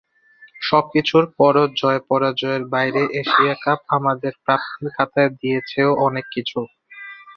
সবকিছুর পরও জয়-পরাজয়ের বাইরে এশিয়া কাপ আমাদের প্রাপ্তির খাতায় দিয়েছেও অনেক কিছু।